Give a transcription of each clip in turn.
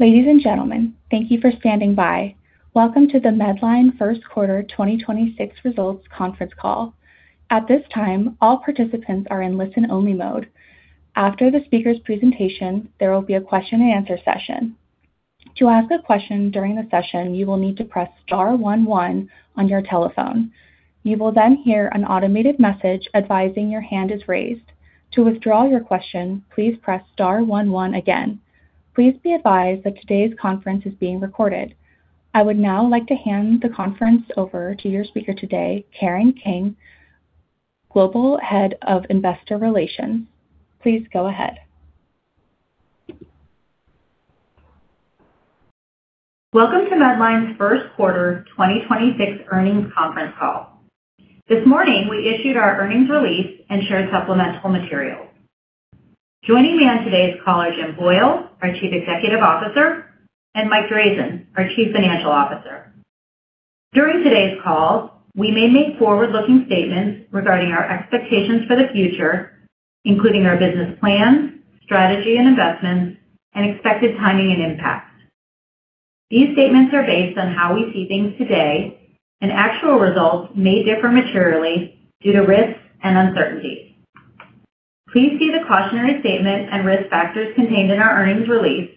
Ladies and gentlemen, thank you for standing by. Welcome to the Medline first quarter 2026 results conference call. At this time, all participants are in listen-only mode. After the speaker's presentation, there will be a question-and-answer session. Please be advised that today's conference is being recorded. I would now like to hand the conference over to your speaker today, Karen King, Global Head of Investor Relations. Please go ahead. Welcome to Medline's first quarter 2026 earnings conference call. This morning, we issued our earnings release and shared supplemental materials. Joining me on today's call are Jim Boyle, our Chief Executive Officer, and Mike Drazin, our Chief Financial Officer. During today's call, we may make forward-looking statements regarding our expectations for the future, including our business plans, strategy and investments, and expected timing and impact. These statements are based on how we see things today and actual results may differ materially due to risks and uncertainties. Please see the cautionary statements and risk factors contained in our earnings release,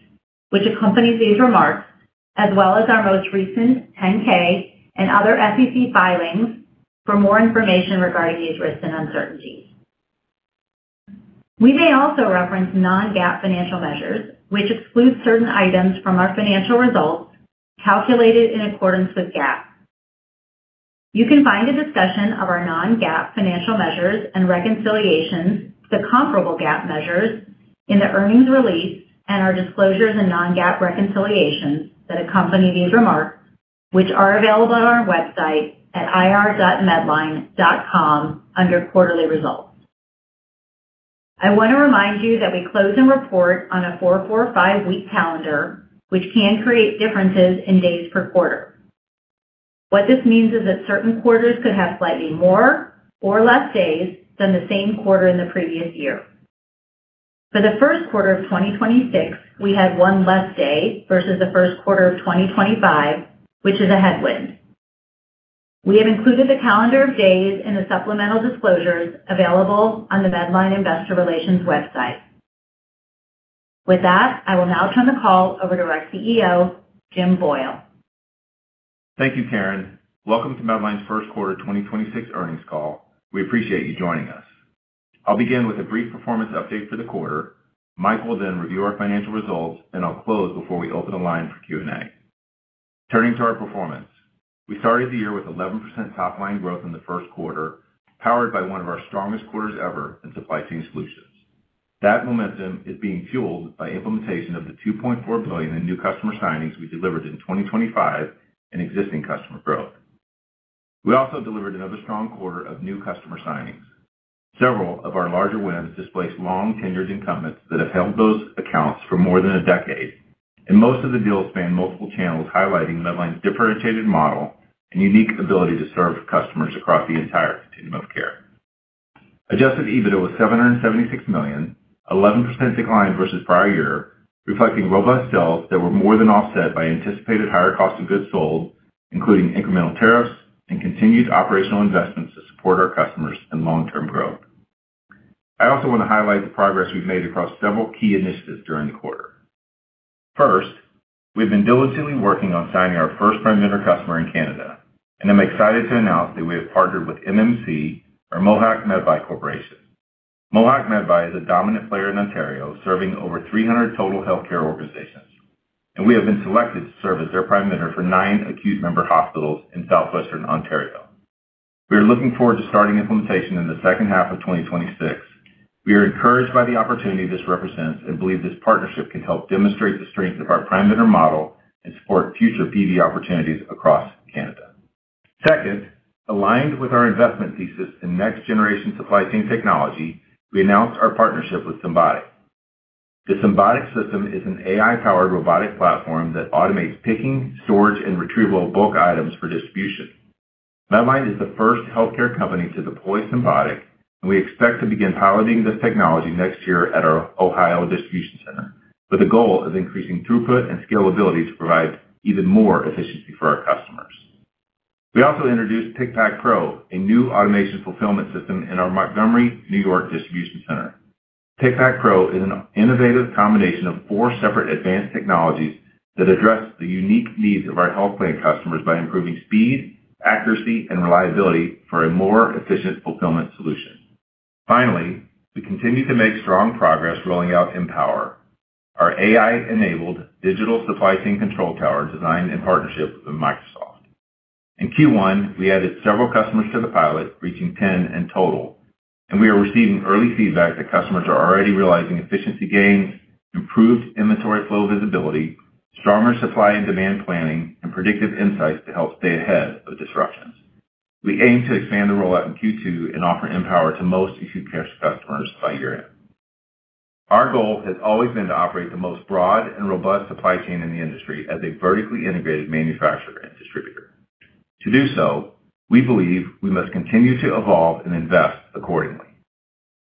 which accompanies these remarks, as well as our most recent 10-K and other SEC filings for more information regarding these risks and uncertainties. We may also reference non-GAAP financial measures, which excludes certain items from our financial results calculated in accordance with GAAP. You can find a discussion of our non-GAAP financial measures and reconciliations to comparable GAAP measures in the earnings release and our disclosures and non-GAAP reconciliations that accompany these remarks, which are available on our website at ir.medline.com under quarterly results. I want to remind you that we close and report on a four-five week calendar, which can create differences in days per quarter. What this means is that certain quarters could have slightly more or less days than the same quarter in the previous year. For the first quarter of 2026, we had one less day versus the first quarter of 2025, which is a headwind. We have included the calendar of days in the supplemental disclosures available on the Medline Investor Relations website. With that, I will now turn the call over to our CEO, Jim Boyle. Thank you, Karen. Welcome to Medline's first quarter 2026 earnings call. We appreciate you joining us. I'll begin with a brief performance update for the quarter. Mike will then review our financial results. I'll close before we open the line for Q&A. Turning to our performance. We started the year with 11% top-line growth in the first quarter, powered by one of our strongest quarters ever in Supply Chain Solutions. That momentum is being fueled by implementation of the $2.4 billion in new customer signings we delivered in 2025 and existing customer growth. We also delivered another strong quarter of new customer signings. Several of our larger wins displaced long-tenured incumbents that have held those accounts for more than a decade, and most of the deals span multiple channels, highlighting Medline's differentiated model and unique ability to serve customers across the entire continuum of care. Adjusted EBITDA was $776 million, 11% decline versus prior year, reflecting robust sales that were more than offset by anticipated higher cost of goods sold, including incremental tariffs and continued operational investments to support our customers and long-term growth. I also want to highlight the progress we've made across several key initiatives during the quarter. First, we've been diligently working on signing our first prime vendor customer in Canada, and I'm excited to announce that we have partnered with MMC or Mohawk Medbuy Corporation. Mohawk Medbuy is a dominant player in Ontario, serving over 300 total healthcare organizations, and we have been selected to serve as their prime vendor for nine acute member hospitals in Southwestern Ontario. We are looking forward to starting implementation in the second half of 2026. We are encouraged by the opportunity this represents and believe this partnership can help demonstrate the strength of our prime vendor model and support future PV opportunities across Canada. Second, aligned with our investment thesis in next-generation supply chain technology, we announced our partnership with Symbotic. The Symbotic system is an AI-powered robotic platform that automates picking, storage, and retrieval of bulk items for distribution. Medline is the first healthcare company to deploy Symbotic. We expect to begin piloting this technology next year at our Ohio distribution center with the goal of increasing throughput and scalability to provide even more efficiency for our customers. We also introduced Pick Pack Pro, a new automation fulfillment system in our Montgomery, N.Y., distribution center. Pick Pack Pro is an innovative combination of four separate advanced technologies that address the unique needs of our health plan customers by improving speed, accuracy, and reliability for a more efficient fulfillment solution. Finally, we continue to make strong progress rolling out Mpower, our AI-enabled digital supply chain control tower designed in partnership with Microsoft. In Q1, we added several customers to the pilot, reaching 10 in total, and we are receiving early feedback that customers are already realizing efficiency gains, improved inventory flow visibility, stronger supply and demand planning, and predictive insights to help stay ahead of disruptions. We aim to expand the rollout in Q2 and offer Mpower to most acute care customers by year-end. Our goal has always been to operate the most broad and robust supply chain in the industry as a vertically integrated manufacturer. To do so, we believe we must continue to evolve and invest accordingly.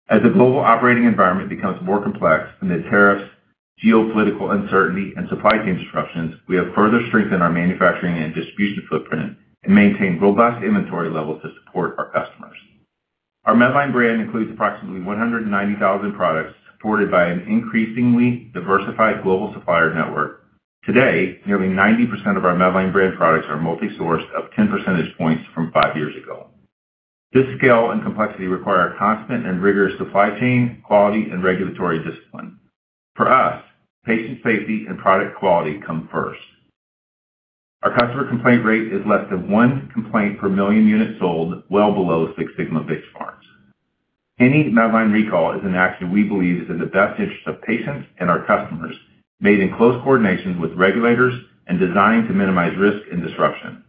As the global operating environment becomes more complex amid tariffs, geopolitical uncertainty, and supply chain disruptions, we have further strengthened our manufacturing and distribution footprint and maintained robust inventory levels to support our customers. Our Medline Brand includes approximately 190,000 products supported by an increasingly diversified global supplier network. Today, nearly 90% of our Medline Brand products are multi-sourced, up 10 percentage points from five years ago. This scale and complexity require constant and rigorous supply chain, quality, and regulatory discipline. For us, patient safety and product quality come first. Our customer complaint rate is less than one complaint per million units sold, well below Six Sigma benchmarks. Any Medline recall is an action we believe is in the best interest of patients and our customers, made in close coordination with regulators and designed to minimize risk and disruption.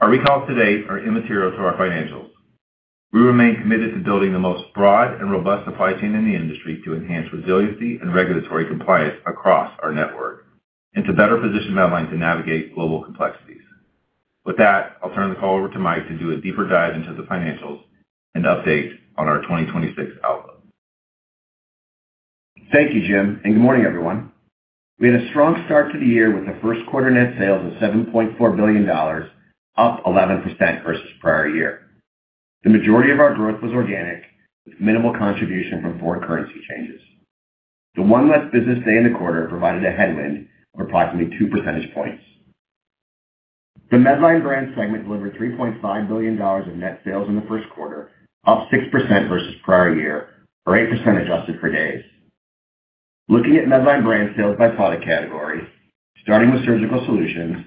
Our recalls to date are immaterial to our financials. We remain committed to building the most broad and robust supply chain in the industry to enhance resiliency and regulatory compliance across our network and to better position Medline to navigate global complexities. With that, I'll turn the call over to Mike to do a deeper dive into the financials and update on our 2026 outlook. Thank you, Jim, good morning, everyone. We had a strong start to the year with the first quarter net sales of $7.4 billion, up 11% versus prior year. The majority of our growth was organic, with minimal contribution from foreign currency changes. The one less business day in the quarter provided a headwind of approximately two percentage points. The Medline Brand segment delivered $3.5 billion of net sales in the first quarter, up 6% versus prior year, or 8% adjusted for days. Looking at Medline Brand sales by product category, starting with Surgical Solutions,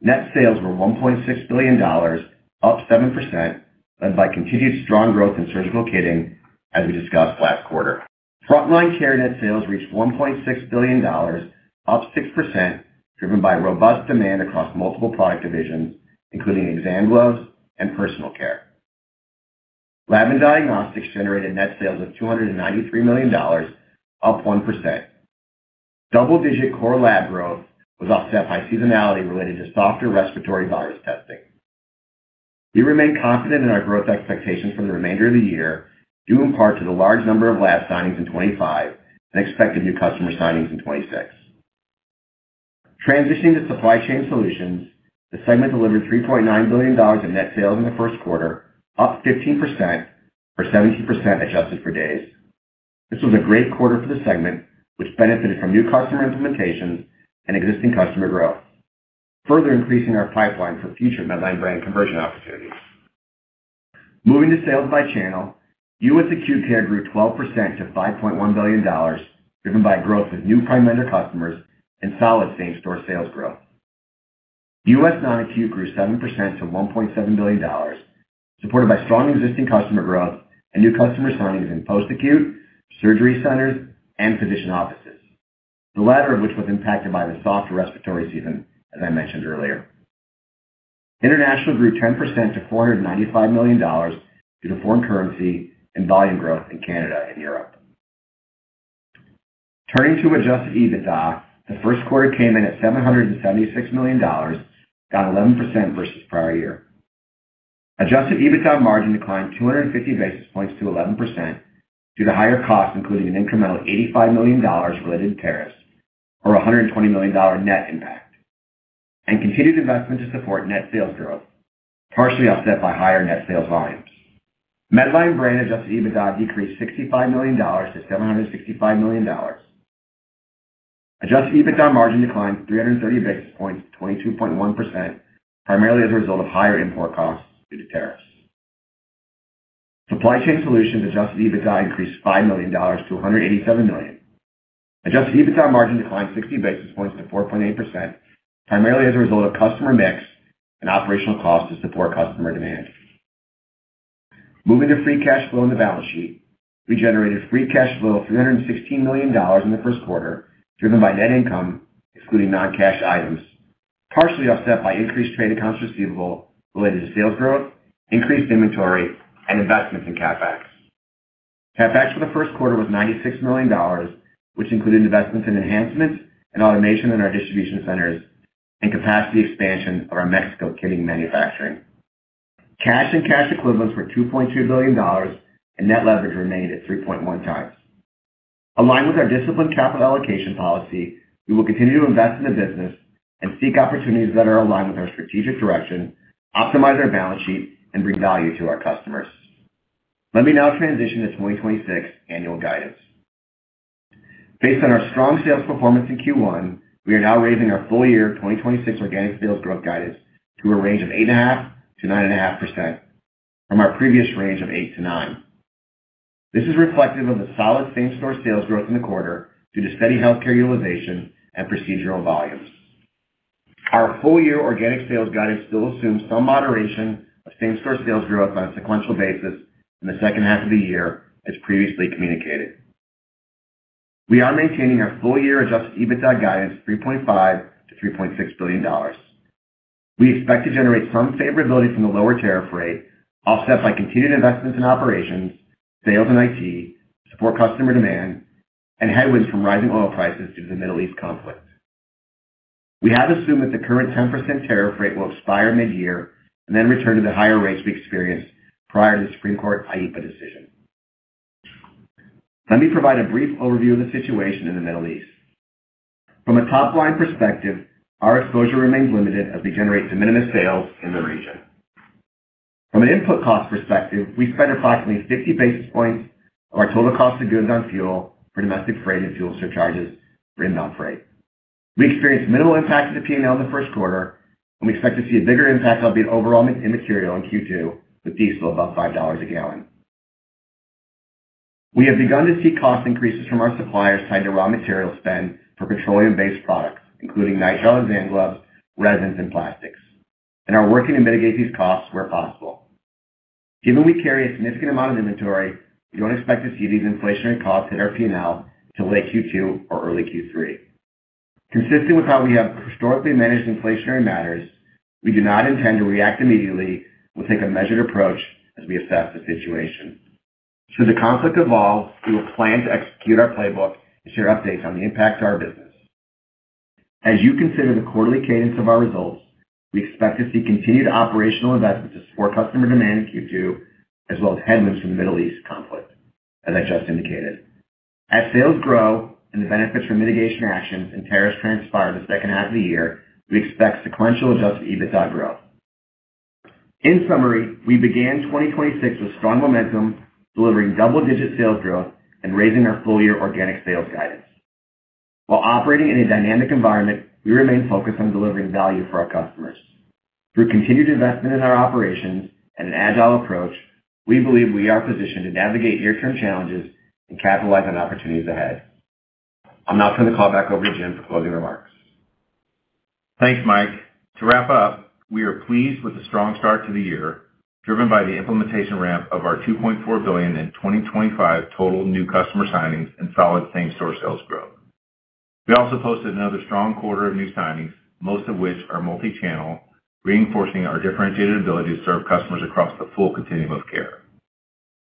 net sales were $1.6 billion, up 7%, led by continued strong growth in surgical kitting, as we discussed last quarter. Front Line Care net sales reached $1.6 billion, up 6%, driven by robust demand across multiple product divisions, including exam gloves and personal care. Laboratory and Diagnostics generated net sales of $293 million, up 1%. Double-digit core lab growth was offset by seasonality related to softer respiratory virus testing. We remain confident in our growth expectations for the remainder of the year, due in part to the large number of lab signings in 25 and expected new customer signings in 26. Transitioning to Supply Chain Solutions, the segment delivered $3.9 billion in net sales in the first quarter, up 15%, or 17% adjusted for days. This was a great quarter for the segment, which benefited from new customer implementations and existing customer growth, further increasing our pipeline for future Medline Brand conversion opportunities. Moving to sales by channel, U.S. Acute Care grew 12% to $5.1 billion, driven by growth with new prime vendor customers and solid same-store sales growth. U.S. Non-Acute grew 7% to $1.7 billion, supported by strong existing customer growth and new customer signings in post-acute, surgery centers, and physician offices, the latter of which was impacted by the softer respiratory season, as I mentioned earlier. International grew 10% to $495 million due to foreign currency and volume growth in Canada and Europe. Turning to Adjusted EBITDA, the first quarter came in at $776 million, down 11% versus prior year. Adjusted EBITDA margin declined 250 basis points to 11% due to higher costs, including an incremental $85 million related to tariffs or a $120 million net impact, and continued investment to support net sales growth, partially offset by higher net sales volumes. Medline Brand adjusted EBITDA decreased $65 million-$765 million. Adjusted EBITDA margin declined 330 basis points to 22.1%, primarily as a result of higher import costs due to tariffs. Supply Chain Solutions Adjusted EBITDA increased $5 million-$187 million. Adjusted EBITDA margin declined 60 basis points to 4.8%, primarily as a result of customer mix and operational costs to support customer demand. Moving to free cash flow in the balance sheet, we generated free cash flow of $316 million in the first quarter, driven by net income, excluding non-cash items, partially offset by increased trade accounts receivable related to sales growth, increased inventory, and investments in CapEx. CapEx for the first quarter was $96 million, which included investments in enhancements and automation in our distribution centers and capacity expansion of our Mexico kitting manufacturing. Cash and cash equivalents were $2.2 billion, and net leverage remained at 3.1x. Aligned with our disciplined capital allocation policy, we will continue to invest in the business and seek opportunities that are aligned with our strategic direction, optimize our balance sheet, and bring value to our customers. Let me now transition to 2026 annual guidance. Based on our strong sales performance in Q1, we are now raising our full-year 2026 organic sales growth guidance to a range of 8.5%-9.5% from our previous range of 8%-9%. This is reflective of the solid same-store sales growth in the quarter due to steady healthcare utilization and procedural volumes. Our full-year organic sales guidance still assumes some moderation of same-store sales growth on a sequential basis in the second half of the year, as previously communicated. We are maintaining our full-year adjusted EBITDA guidance $3.5 billion-$3.6 billion. We expect to generate some favorability from the lower tariff rate, offset by continued investments in operations, sales, and IT to support customer demand. Headwinds from rising oil prices due to the Middle East conflict. We have assumed that the current 10% tariff rate will expire mid-year and then return to the higher rates we experienced prior to the Supreme Court IEEPA decision. Let me provide a brief overview of the situation in the Middle East. From a top-line perspective, our exposure remains limited as we generate de minimis sales in the region. From an input cost perspective, we spend approximately 50 basis points of our total cost of goods on fuel for domestic freight and fuel surcharges for inbound freight. We experienced minimal impact to the P&L in the first quarter, and we expect to see a bigger impact that'll be overall immaterial in Q2 with diesel above $5 a gallon. We have begun to see cost increases from our suppliers tied to raw material spend for petroleum-based products, including nitrile exam gloves, resins, and plastics, and are working to mitigate these costs where possible. Given we carry a significant amount of inventory, we don't expect to see these inflationary costs hit our P&L till late Q2 or early Q3. Consistent with how we have historically managed inflationary matters, we do not intend to react immediately. We'll take a measured approach as we assess the situation. Should the conflict evolve, we will plan to execute our playbook and share updates on the impact to our business. As you consider the quarterly cadence of our results, we expect to see continued operational investments to support customer demand in Q2, as well as headwinds from the Middle East conflict, as I just indicated. As sales grow and the benefits from mitigation actions and tariffs transpire in the second half of the year, we expect sequential adjusted EBITDA growth. In summary, we began 2026 with strong momentum, delivering double-digit sales growth and raising our full-year organic sales guidance. While operating in a dynamic environment, we remain focused on delivering value for our customers. Through continued investment in our operations and an agile approach, we believe we are positioned to navigate near-term challenges and capitalize on opportunities ahead. I'll now turn the call back over to Jim for closing remarks. Thanks, Mike. To wrap up, we are pleased with the strong start to the year, driven by the implementation ramp of our $2.4 billion in 2025 total new customer signings and solid same-store sales growth. We also posted another strong quarter of new signings, most of which are multi-channel, reinforcing our differentiated ability to serve customers across the full continuum of care.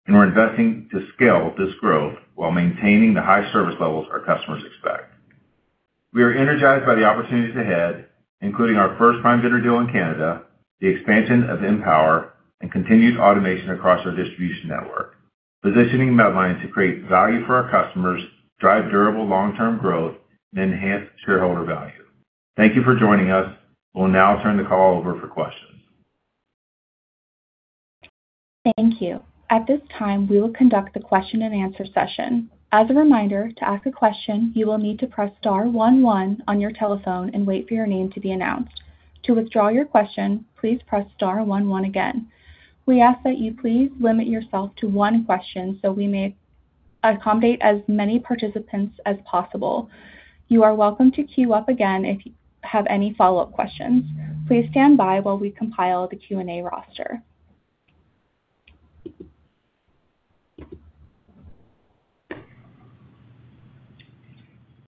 We're investing to scale this growth while maintaining the high service levels our customers expect. We are energized by the opportunities ahead, including our first prime vendor deal in Canada, the expansion of Mpower, and continued automation across our distribution network, positioning Medline to create value for our customers, drive durable long-term growth, and enhance shareholder value. Thank you for joining us. We'll now turn the call over for questions. Thank you. At this time, we will conduct the question-and-answer session. As a reminder, to ask a question, you will need to press star one one on your telephone and wait for your name to be announced. To withdraw your question, please press star one one again. We ask that you please limit yourself to one question so we may accommodate as many participants as possible. You are welcome to queue up again if you have any follow-up questions. Please stand by while we compile the Q&A roster.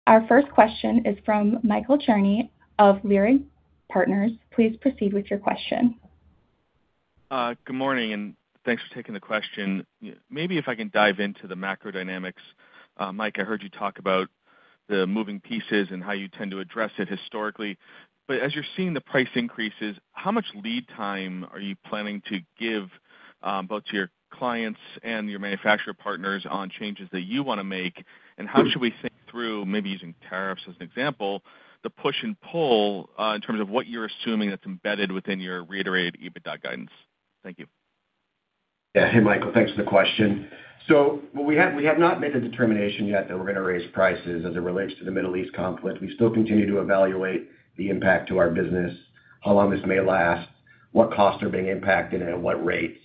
Our first question is from Michael Cherny of Leerink Partners. Please proceed with your question. Good morning, thanks for taking the question. Maybe if I can dive into the macro dynamics. Mike, I heard you talk about the moving pieces and how you tend to address it historically. As you're seeing the price increases, how much lead time are you planning to give both to your clients and your manufacturer partners on changes that you wanna make? How should we think through, maybe using tariffs as an example, the push and pull in terms of what you're assuming that's embedded within your reiterated EBITDA guidance? Thank you. Yeah. Hey, Michael, thanks for the question. We have not made the determination yet that we're going to raise prices as it relates to the Middle East conflict. We still continue to evaluate the impact to our business, how long this may last, what costs are being impacted and at what rates.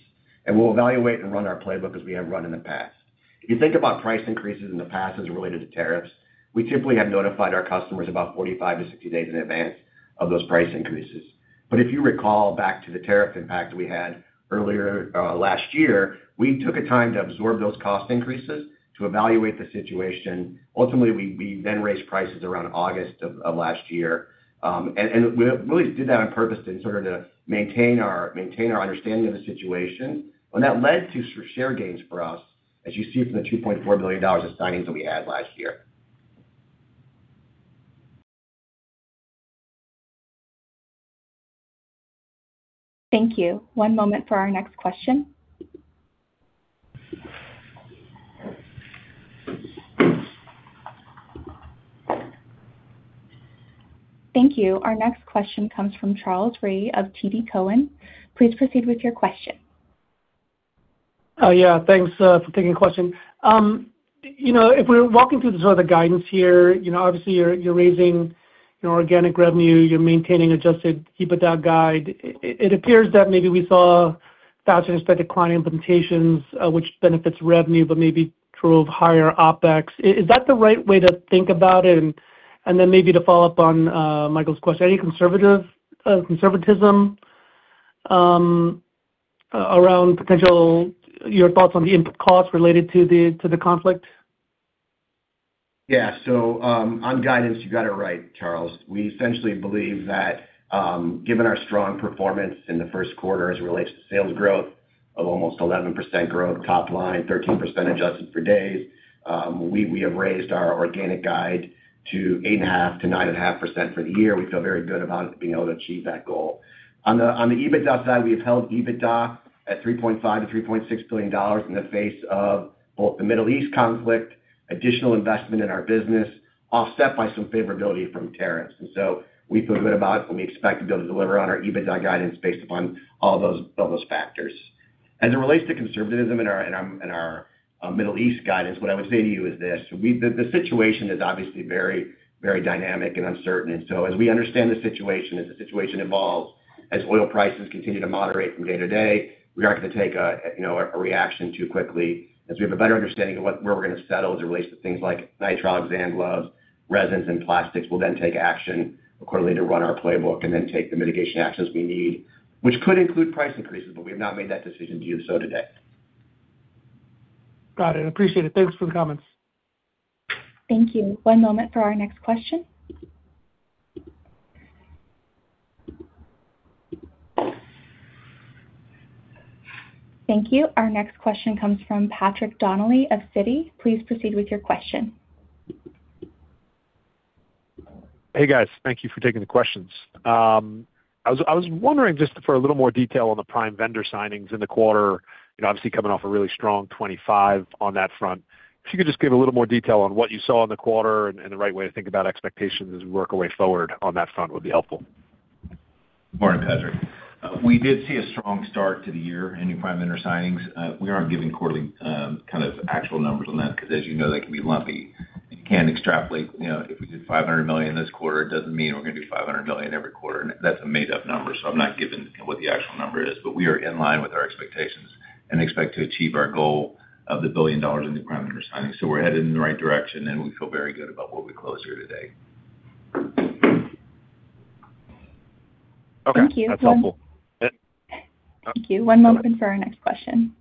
We'll evaluate and run our playbook as we have run in the past. If you think about price increases in the past as it related to tariffs, we typically have notified our customers about 45-60 days in advance of those price increases. If you recall back to the tariff impact we had earlier last year, we took a time to absorb those cost increases to evaluate the situation. Ultimately, we then raised prices around August of last year. We really did that on purpose to maintain our understanding of the situation. That led to share gains for us, as you see from the $2.4 billion of signings that we had last year. Thank you. One moment for our next question. Thank you. Our next question comes from Charles Rhyee of TD Cowen. Please proceed with your question. Oh, yeah. Thanks for taking the question. You know, if we're walking through the sort of guidance here, you know, obviously you're raising, you know, organic revenue, you're maintaining adjusted EBITDA guide. It appears that maybe we saw faster-than-expected client implementations, which benefits revenue, but maybe drove higher OPEX. Is that the right way to think about it? Then maybe to follow up on Michael's question, any conservatism around your thoughts on the input costs related to the conflict? On guidance, you got it right, Charles. We essentially believe that, given our strong performance in the first quarter as it relates to sales growth of almost 11% growth top line, 13% adjusted for days. We have raised our organic guide to 8.5%-9.5% for the year. We feel very good about being able to achieve that goal. On the EBITDA side, we have held EBITDA at $3.5 billion-$3.6 billion in the face of both the Middle East conflict, additional investment in our business, offset by some favorability from tariffs. We feel good about it, and we expect to be able to deliver on our EBITDA guidance based upon all those factors. As it relates to conservatism in our Middle East guidance, what I would say to you is this. The situation is obviously very dynamic and uncertain. As we understand the situation, as the situation evolves, as oil prices continue to moderate from day to day, we aren't gonna take a, you know, a reaction too quickly. As we have a better understanding of where we're gonna settle as it relates to things like nitrile exam gloves, resins, and plastics, we'll take action accordingly to run our playbook and take the mitigation actions we need, which could include price increases. We have not made that decision to do so today. Got it. Appreciate it. Thanks for the comments. Thank you. One moment for our next question. Thank you. Our next question comes from Patrick Donnelly of Citi. Please proceed with your question. Hey, guys. Thank you for taking the questions. I was wondering just for a little more detail on the prime vendor signings in the quarter, you know, obviously coming off a really strong 2025 on that front. If you could just give a little more detail on what you saw in the quarter and the right way to think about expectations as we work our way forward on that front would be helpful. Morning, Patrick. We did see a strong start to the year in new prime vendor signings. We aren't giving quarterly, kind of actual numbers on that because as you know, they can be lumpy. You can't extrapolate, you know, if we did $500 million this quarter, it doesn't mean we're gonna do $500 million every quarter. That's a made-up number, so I'm not giving what the actual number is. We are in line with our expectations and expect to achieve our goal of the $1 billion in new prime vendor signings. We're headed in the right direction, and we feel very good about where we close here today. Okay. Thank you. That's helpful. Yeah. Thank you. One moment for our next question.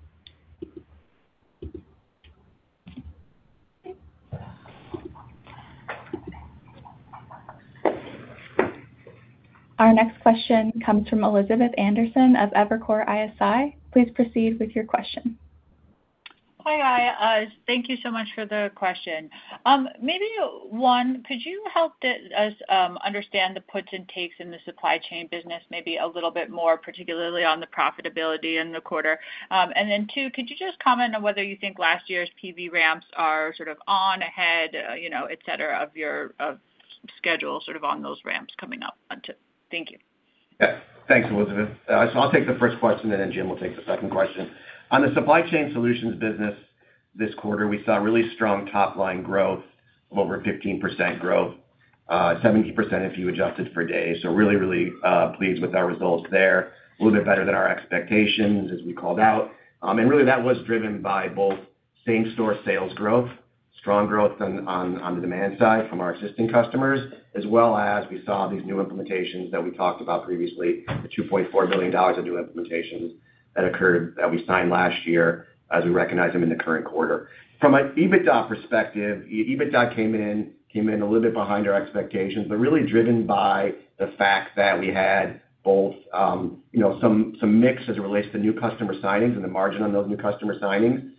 Our next question comes from Elizabeth Anderson of Evercore ISI. Please proceed with your question. Hi. Thank you so much for the question. Maybe one, could you help us understand the puts and takes in the Supply Chain Solutions business maybe a little bit more, particularly on the profitability in the quarter? Then two, could you just comment on whether you think last year's PV ramps are sort of on, ahead, you know, et cetera, of your schedule, sort of on those ramps coming up on two? Thank you. Thanks, Elizabeth. I'll take the first question, and then Jim will take the second question. On the Supply Chain Solutions business this quarter, we saw really strong top-line growth of over 15% growth, 17% if you adjust it for days. Really pleased with our results there. A little bit better than our expectations as we called out. Really, that was driven by both same-store sales growth, strong growth on the demand side from our existing customers, as well as we saw these new implementations that we talked about previously, the $2.4 billion of new implementations that occurred that we signed last year as we recognize them in the current quarter. From an EBITDA perspective, EBITDA came in a little bit behind our expectations, but really driven by the fact that we had both, you know, some mix as it relates to new customer signings and the margin on those new customer signings,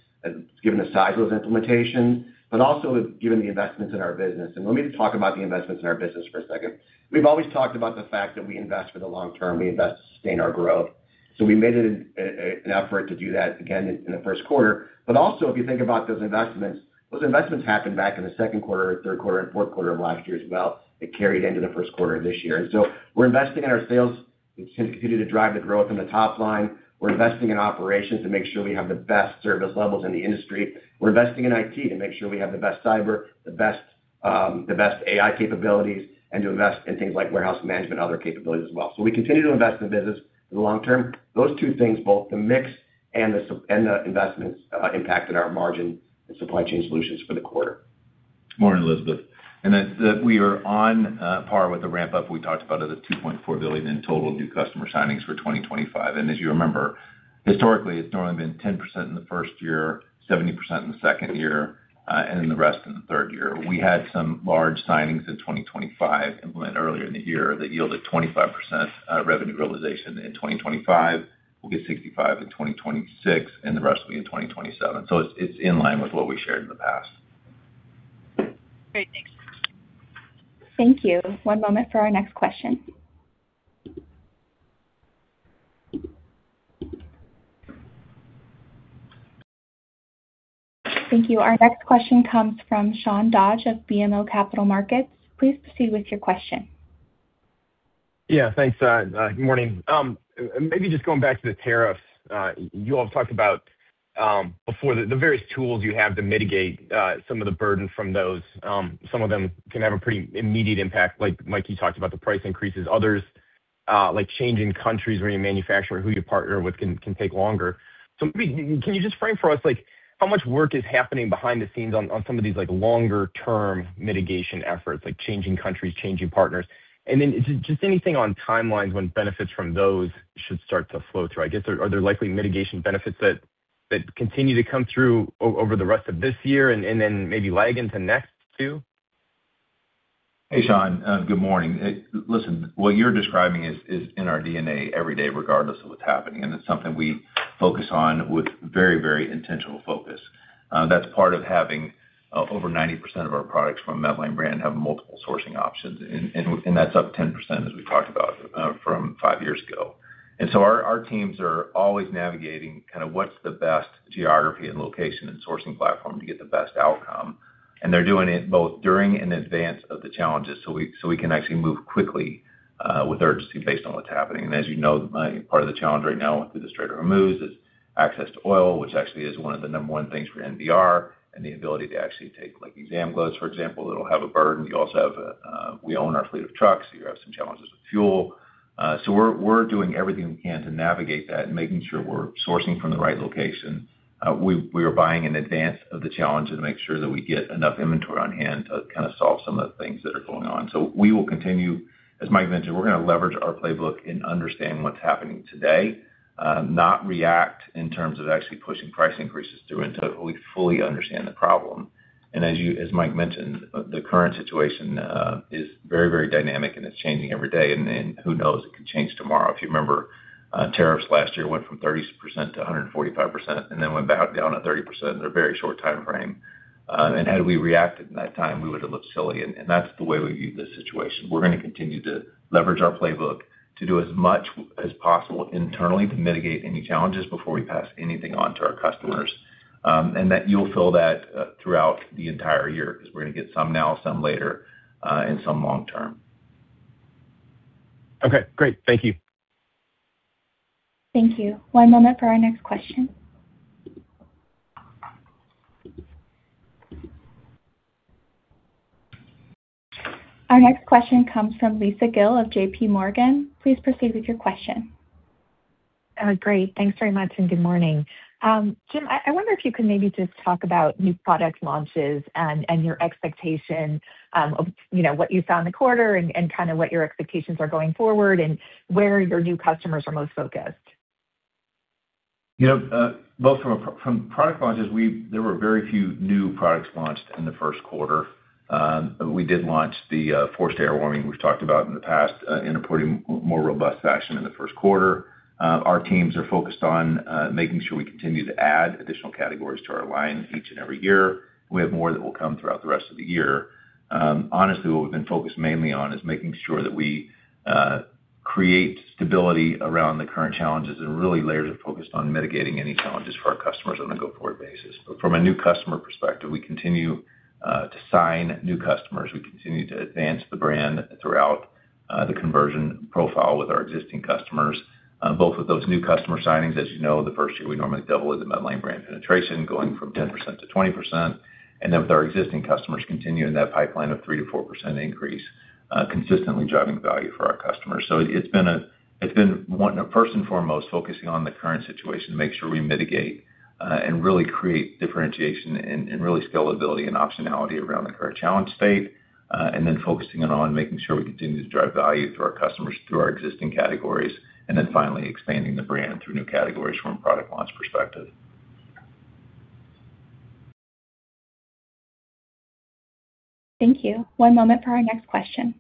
given the size of those implementations, but also given the investments in our business. Let me talk about the investments in our business for a second. We've always talked about the fact that we invest for the long term, we invest to sustain our growth. We made an effort to do that again in the first quarter. Also, if you think about those investments, those investments happened back in the second quarter, third quarter, and fourth quarter of last year as well. It carried into the first quarter of this year. We're investing in our sales, which can continue to drive the growth in the top line. We're investing in operations to make sure we have the best service levels in the industry. We're investing in IT to make sure we have the best cyber, the best, the best AI capabilities, and to invest in things like warehouse management and other capabilities as well. We continue to invest in the business for the long term. Those two things, both the mix and the investments, impacted our margin in Supply Chain Solutions for the quarter. Morning, Elizabeth. We are on par with the ramp-up we talked about of the $2.4 billion in total new customer signings for 2025. As you remember, historically, it's normally been 10% in the first year, 70% in the second year, and the rest in the third year. We had some large signings in 2025 implement earlier in the year that yielded 25% revenue realization in 2025. We'll get 65% in 2026, and the rest will be in 2027. It's in line with what we shared in the past. Great. Thanks. Thank you. One moment for our next question. Thank you. Our next question comes from Sean Dodge of BMO Capital Markets. Please proceed with your question. Thanks, good morning. Maybe just going back to the tariffs, you all talked about before the various tools you have to mitigate some of the burden from those. Some of them can have a pretty immediate impact, like you talked about the price increases. Others, like changing countries where you manufacture, who you partner with can take longer. Can you just frame for us, like how much work is happening behind the scenes on some of these, like, longer term mitigation efforts, like changing countries, changing partners? Then just anything on timelines when benefits from those should start to flow through. I guess are there likely mitigation benefits that continue to come through over the rest of this year and then maybe lag into next too? Hey, Sean. Good morning. Listen, what you're describing is in our DNA every day, regardless of what's happening, and it's something we focus on with very, very intentional focus. That's part of having over 90% of our products from Medline Brand have multiple sourcing options. That's up 10%, as we talked about, from five years ago. Our teams are always navigating kind of what's the best geography and location and sourcing platform to get the best outcome. They're doing it both during and in advance of the challenges, so we can actually move quickly with urgency based on what's happening. As you know, part of the challenge right now with the Strait of Hormuz is access to oil, which actually is one of the number one things for NBR and the ability to actually take, like, exam gloves, for example, it'll have a burden. We own our fleet of trucks, you have some challenges with fuel. We're doing everything we can to navigate that and making sure we're sourcing from the right location. We are buying in advance of the challenge to make sure that we get enough inventory on hand to kind of solve some of the things that are going on. We will continue, as Mike mentioned, we're gonna leverage our playbook and understand what's happening today, not react in terms of actually pushing price increases through until we fully understand the problem. As Mike Drazin mentioned, the current situation is very, very dynamic, and it's changing every day. Who knows? It could change tomorrow. If you remember, tariffs last year went from 30% to 145% then went back down to 30% in a very short timeframe. Had we reacted in that time, we would've looked silly. That's the way we view this situation. We're going to continue to leverage our playbook to do as much as possible internally to mitigate any challenges before we pass anything on to our customers. That you'll feel that throughout the entire year, because we're going to get some now, some later, and some long term. Okay, great. Thank you. Thank you. One moment for our next question. Our next question comes from Lisa Gill of JPMorgan. Please proceed with your question. Great. Thanks very much, and good morning. Jim, I wonder if you could maybe just talk about new product launches and your expectation of, you know, what you saw in the quarter and kinda what your expectations are going forward and where your new customers are most focused? You know, well, from product launches, there were very few new products launched in the first quarter. We did launch the forced air warming we've talked about in the past, in a pretty more robust fashion in the first quarter. Our teams are focused on making sure we continue to add additional categories to our line each and every year. We have more that will come throughout the rest of the year. Honestly, what we've been focused mainly on is making sure that we create stability around the current challenges and really layers of focus on mitigating any challenges for our customers on a go-forward basis. From a new customer perspective, we continue to sign new customers. We continue to advance the brand throughout the conversion profile with our existing customers. Both of those new customer signings, as you know, the first year, we normally double as a Medline Brand penetration, going from 10%-20%. With our existing customers continue in that pipeline of 3%-4% increase, consistently driving value for our customers. First and foremost, focusing on the current situation, make sure we mitigate, and really create differentiation and really scalability and optionality around the current challenge state, and then focusing it on making sure we continue to drive value through our customers through our existing categories, and then finally expanding the brand through new categories from a product launch perspective. Thank you. One moment for our next question.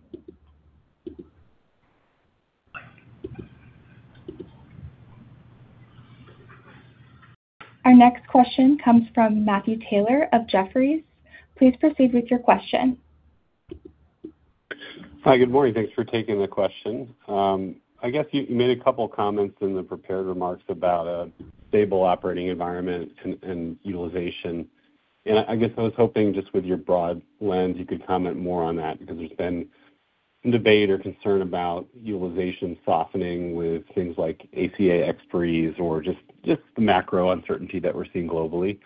Our next question comes from Matthew Taylor of Jefferies. Please proceed with your question. Hi. Good morning. Thanks for taking the question. I guess you made a couple comments in the prepared remarks about a stable operating environment and utilization. I guess I was hoping just with your broad lens, you could comment more on that because there's been debate or concern about utilization softening with things like ACA expiries or just the macro uncertainty that we're seeing globally.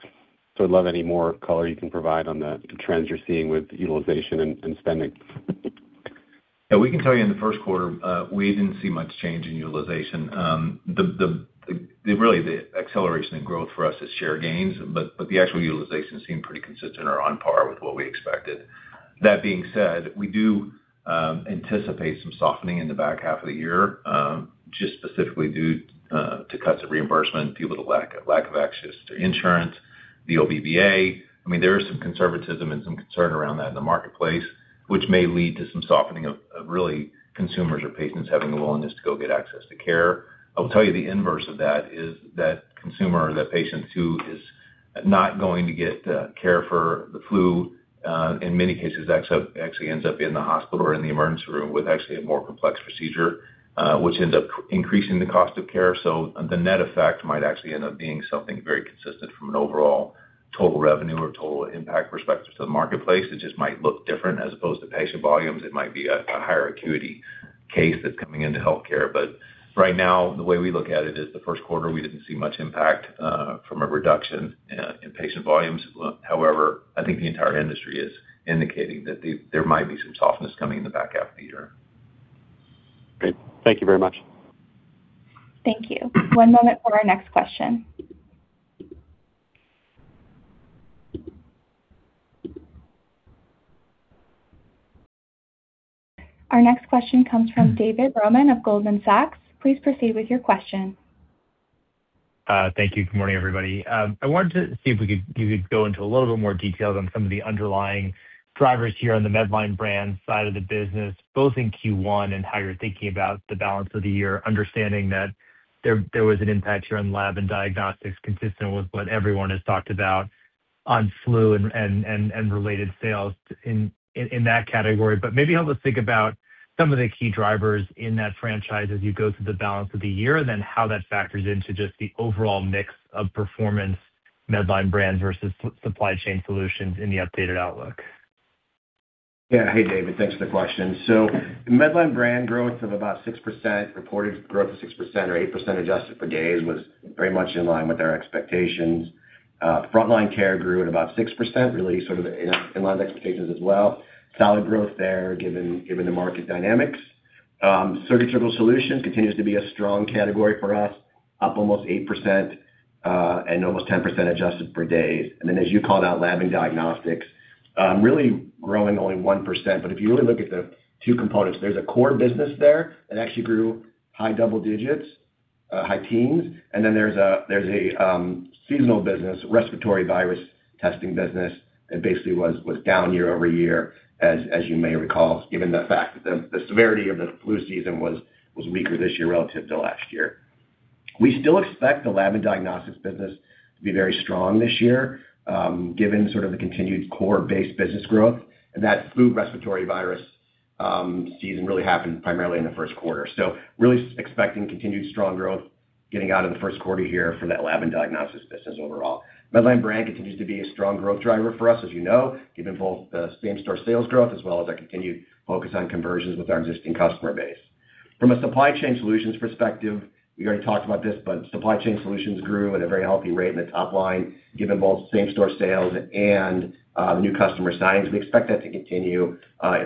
I'd love any more color you can provide on the trends you're seeing with utilization and spending. Yeah, we can tell you in the first quarter, we didn't see much change in utilization. The really the acceleration in growth for us is share gains, but the actual utilization seemed pretty consistent or on par with what we expected. That being said, we do anticipate some softening in the back half of the year, just specifically due to cuts of reimbursement, people with a lack of access to insurance, the OBBA. There is some conservatism and some concern around that in the marketplace, which may lead to some softening of really consumers or patients having a willingness to go get access to care. I will tell you the inverse of that is that consumer or that patient who is not going to get care for the flu, in many cases, actually ends up in the hospital or in the emergency room with actually a more complex procedure, which ends up increasing the cost of care. The net effect might actually end up being something very consistent from an overall total revenue or total impact perspective to the marketplace. It just might look different as opposed to patient volumes. It might be a higher acuity case that's coming into healthcare. Right now, the way we look at it is the first quarter, we didn't see much impact from a reduction in patient volumes. However, I think the entire industry is indicating that there might be some softness coming in the back half of the year. Great. Thank you very much. Thank you. One moment for our next question. Our next question comes from David Roman of Goldman Sachs. Please proceed with your question. Thank you. Good morning, everybody. I wanted to see if you could go into a little bit more detail on some of the underlying drivers here on the Medline Brand side of the business, both in Q1 and how you're thinking about the balance of the year, understanding that there was an impact here on Laboratory and Diagnostics consistent with what everyone has talked about on flu and related sales in that category. Maybe help us think about some of the key drivers in that franchise as you go through the balance of the year, and then how that factors into just the overall mix of performance Medline Brand versus Supply Chain Solutions in the updated outlook. Hey, David. Thanks for the question. Medline Brand growth of about 6%, reported growth of 6% or 8% adjusted for days was very much in line with our expectations. Front Line Care grew at about 6%, really sort of in line with expectations as well. Solid growth there given the market dynamics. Surgical Solutions continues to be a strong category for us, up almost 8% and almost 10% adjusted for days. As you called out, Laboratory and Diagnostics really growing only 1%. If you really look at the two components, there's a core business there that actually grew high double digits, high teens. There's a seasonal business, respiratory virus testing business that basically was down year-over-year, as you may recall, given the fact that the severity of the flu season was weaker this year relative to last year. We still expect the Laboratory and Diagnostics business to be very strong this year, given sort of the continued core base business growth, and that flu respiratory virus season really happened primarily in the first quarter. Really expecting continued strong growth getting out of the first quarter here for that Laboratory and Diagnostics business overall. Medline Brand continues to be a strong growth driver for us, as you know, given both the same-store sales growth as well as our continued focus on conversions with our existing customer base. From a Supply Chain Solutions perspective, we already talked about this, Supply Chain Solutions grew at a very healthy rate in the top line, given both same-store sales and new customer signings. We expect that to continue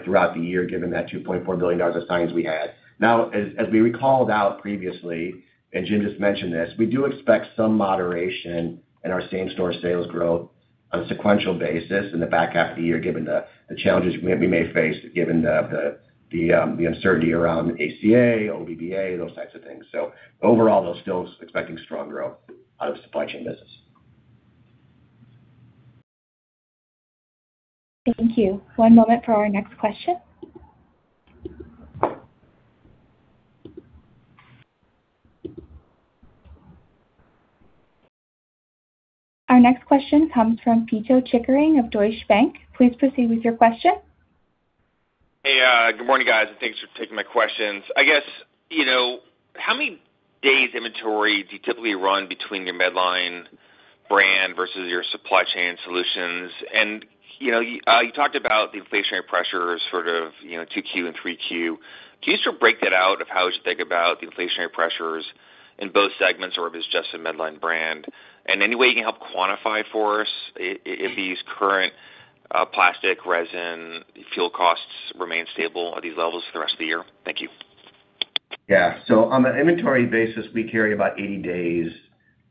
throughout the year given that $2.4 billion of signings we had. As we recalled out previously, and Jim just mentioned this, we do expect some moderation in our same-store sales growth on a sequential basis in the back half of the year, given the challenges we may face, given the uncertainty around ACA, OBBA, those types of things. Overall, though, still expecting strong growth out of supply chain business. Thank you. One moment for our next question. Our next question comes from Pito Chickering of Deutsche Bank. Please proceed with your question. Hey, good morning, guys, and thanks for taking my questions. I guess, you know, how many days inventory do you typically run between your Medline Brand versus your Supply Chain Solutions? You know, you talked about the inflationary pressures sort of, you know, 2Q and 3Q. Can you sort of break that out of how you think about the inflationary pressures in both segments or if it's just the Medline Brand? Any way you can help quantify for us if these current plastic resin fuel costs remain stable at these levels for the rest of the year? Thank you. On an inventory basis, we carry about 80 days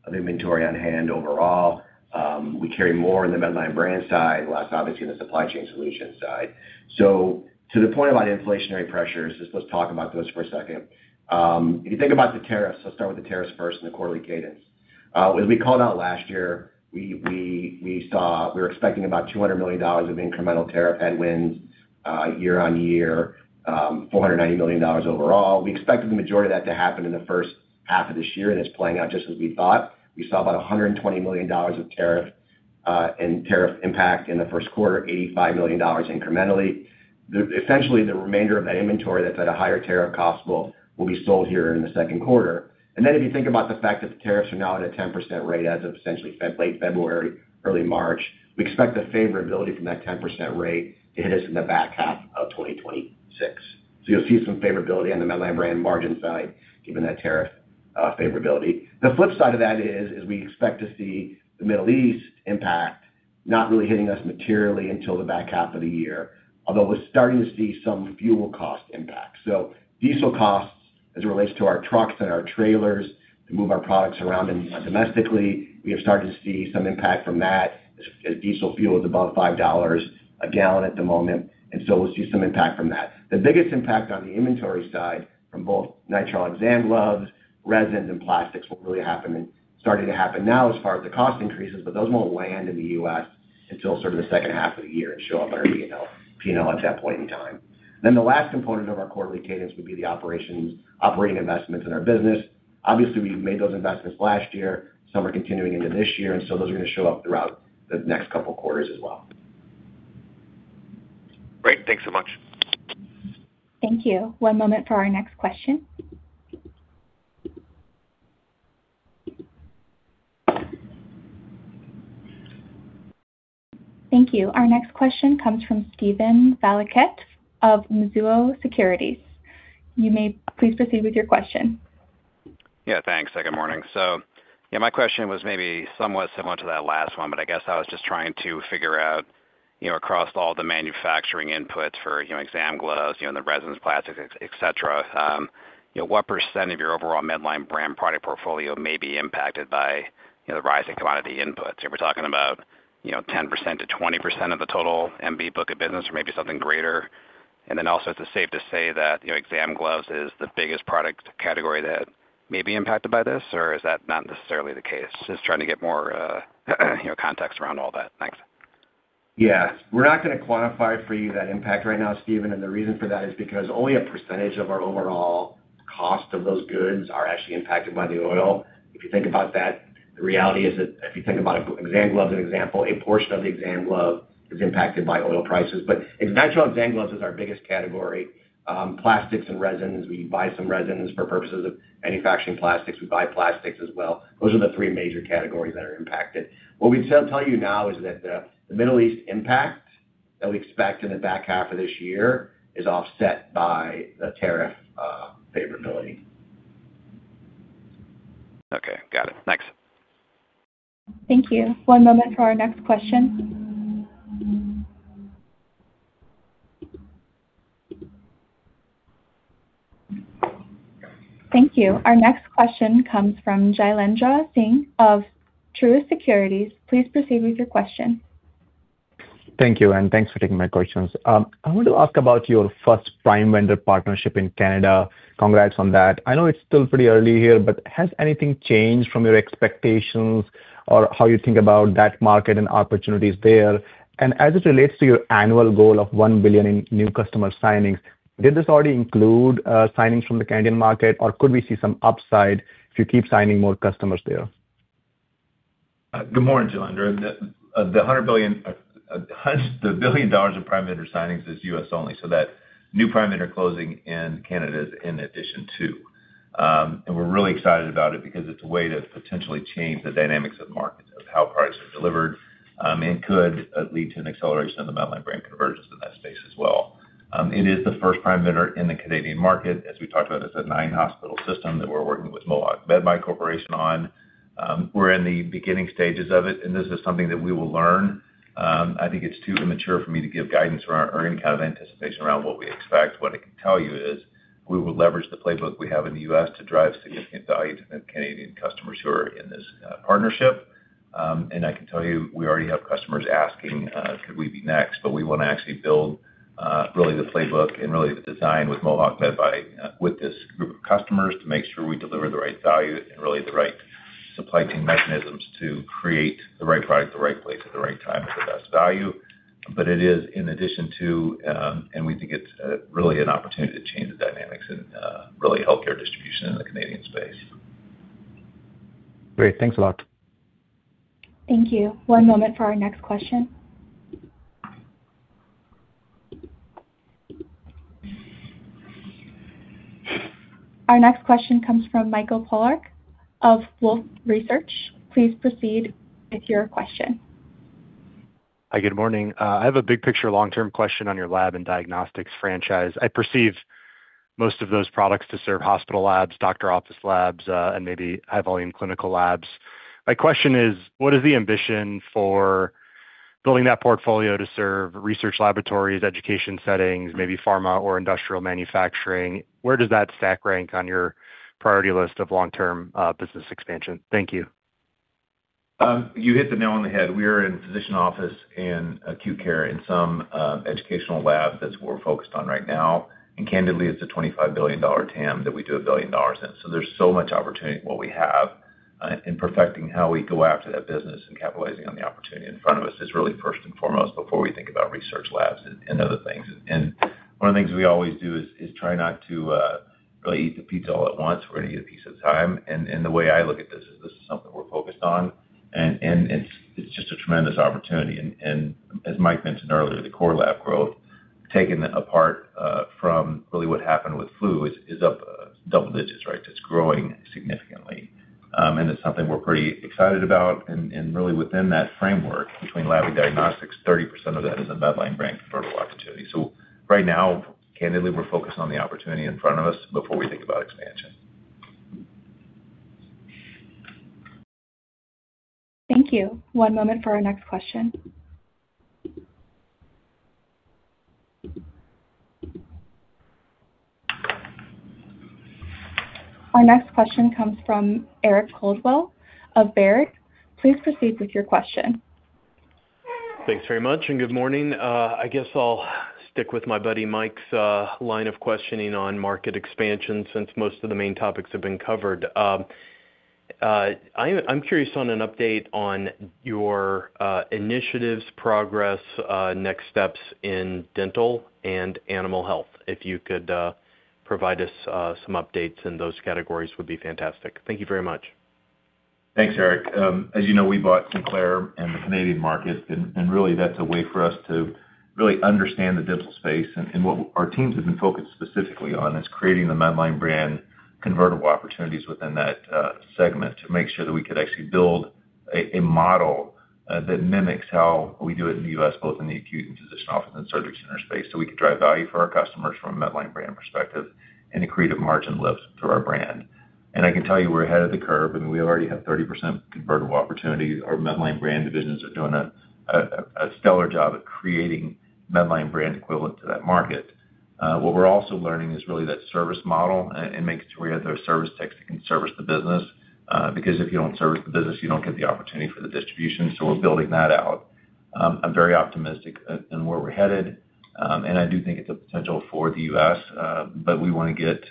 of inventory on hand overall. We carry more on the Medline Brand side, less obviously on the Supply Chain Solutions side. To the point about inflationary pressures, just let's talk about those for a second. If you think about the tariffs, let's start with the tariffs first and the quarterly cadence. As we called out last year, we were expecting about $200 million of incremental tariff headwinds year-over-year, $490 million overall. We expected the majority of that to happen in the first half of this year, and it's playing out just as we thought. We saw about $120 million of tariff and tariff impact in the first quarter, $85 million incrementally. Essentially, the remainder of that inventory that's at a higher tariff cost will be sold here in the second quarter. If you think about the fact that the tariffs are now at a 10% rate as of late February, early March, we expect the favorability from that 10% rate to hit us in the back half of 2026. You'll see some favorability on the Medline Brand margin side given that tariff favorability. The flip side of that is, we expect to see the Middle East impact not really hitting us materially until the back half of the year, although we're starting to see some fuel cost impact. Diesel costs as it relates to our trucks and our trailers to move our products around in, domestically, we have started to see some impact from that as diesel fuel is above $5 a gallon at the moment. We'll see some impact from that. The biggest impact on the inventory side from both nitrile exam gloves, resins, and plastics will really happen and starting to happen now as far as the cost increases, but those won't land in the U.S. until sort of the second half of the year and show up on our P&L at that point in time. The last component of our quarterly cadence would be the operating investments in our business. Obviously, we made those investments last year. Some are continuing into this year, those are gonna show up throughout the next couple quarters as well. Great. Thanks so much. Thank you. One moment for our next question. Thank you. Our next question comes from Steven Valiquette of Mizuho Securities. You may please proceed with your question. Thanks. Good morning. My question was maybe somewhat similar to that last one, but I guess I was just trying to figure out, you know, across all the manufacturing inputs for, you know, exam gloves, you know, and the resins, plastics, et cetera, you know, what % of your overall Medline Brand product portfolio may be impacted by, you know, the rising commodity inputs? Are we talking about, you know, 10%-20% of the total MB book of business or maybe something greater? Also, is it safe to say that, you know, exam gloves is the biggest product category that may be impacted by this? Or is that not necessarily the case? Just trying to get more, you know, context around all that. Thanks. Yeah. We're not gonna quantify for you that impact right now, Steven, the reason for that is because only a percentage of our overall cost of those goods are actually impacted by the oil. If you think about that, the reality is that if you think about exam gloves, as an example, a portion of the exam glove is impacted by oil prices. It's nitrile exam gloves is our biggest category. Plastics and resins, we buy some resins for purposes of manufacturing plastics. We buy plastics as well. Those are the three major categories that are impacted. What we'd still tell you now is that the Middle East impact that we expect in the back half of this year is offset by the tariff favorability. Okay. Got it. Thanks. Thank you. One moment for our next question. Thank you. Our next question comes from Jailendra Singh of Truist Securities. Please proceed with your question. Thank you, and thanks for taking my questions. I want to ask about your first prime vendor partnership in Canada. Congrats on that. I know it's still pretty early here, but has anything changed from your expectations or how you think about that market and opportunities there? As it relates to your annual goal of $1 billion in new customer signings, did this already include signings from the Canadian market, or could we see some upside if you keep signing more customers there? Good morning, Jailendra. The $1 billion of prime vendor signings is U.S. only, that new prime vendor closing in Canada is in addition to. We're really excited about it because it's a way to potentially change the dynamics of the market, of how products are delivered, and could lead to an acceleration of the Medline Brand convergence in that space as well. It is the first prime vendor in the Canadian market. As we talked about, it's a nine-hospital system that we're working with Mohawk Medbuy Corporation on. We're in the beginning stages of it, this is something that we will learn. I think it's too immature for me to give guidance around or any kind of anticipation around what we expect. What I can tell you is we will leverage the playbook we have in the U.S. to drive significant value to the Canadian customers who are in this partnership. I can tell you, we already have customers asking, could we be next? We wanna actually build, really the playbook and really the design with Mohawk Medbuy, with this group of customers to make sure we deliver the right value and really the right supply chain mechanisms to create the right product at the right place at the right time with the best value. It is in addition to, we think it's really an opportunity to change the dynamics and really healthcare distribution in the Canadian space. Great. Thanks a lot. Thank you. One moment for our next question. Our next question comes from Michael Polark of Wolfe Research. Please proceed with your question. Hi, good morning. I have a big picture long-term question on your Laboratory and Diagnostics franchise. I perceive most of those products to serve hospital labs, doctor's office labs, and maybe high volume clinical labs. My question is, what is the ambition for building that portfolio to serve research laboratories, education settings, maybe pharma or industrial manufacturing? Where does that stack rank on your priority list of long-term business expansion? Thank you. You hit the nail on the head. We are in physician office and acute care in some educational labs. That's what we're focused on right now. Candidly, it's a $25 billion TAM that we do $1 billion in. There's so much opportunity what we have in perfecting how we go after that business and capitalizing on the opportunity in front of us is really first and foremost before we think about research labs and other things. One of the things we always do is try not to really eat the pizza all at once. We're gonna eat a piece at a time. The way I look at this is this is something we're focused on and it's just a tremendous opportunity. As Mike mentioned earlier, the core lab growth, taken apart from really what happened with flu is up double digits, right? It's growing significantly. It's something we're pretty excited about. Really within that framework, between lab and diagnostics, 30% of that is a Medline Brand convertible opportunity. Right now, candidly, we're focused on the opportunity in front of us before we think about expansion. Thank you. One moment for our next question. Our next question comes from Eric Coldwell of Baird. Please proceed with your question. Thanks very much, good morning. I guess I'll stick with my buddy Mike's line of questioning on market expansion since most of the main topics have been covered. I'm curious on an update on your initiatives, progress, next steps in dental and animal health. If you could provide us some updates in those categories would be fantastic. Thank you very much. Thanks, Eric. As you know, we bought Sinclair in the Canadian market, and really that's a way for us to really understand the dental space. What our teams have been focused specifically on is creating the Medline Brand convertible opportunities within that segment to make sure that we could actually build a model that mimics how we do it in the U.S., both in the acute and physician office and surgery center space, so we could drive value for our customers from a Medline Brand perspective and to create a margin lift through our brand. I can tell you we're ahead of the curve, and we already have 30% convertible opportunity. Our Medline Brand divisions are doing a stellar job at creating Medline Brand equivalent to that market. What we're also learning is really that service model and making sure we have those service techs that can service the business. Because if you don't service the business, you don't get the opportunity for the distribution, so we're building that out. I'm very optimistic in where we're headed, and I do think it's a potential for the U.S., but we wanna get